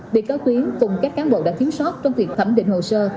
bị cáo tuyến cùng các cán bộ đã thiếu sót trong việc thẩm định hồ sơ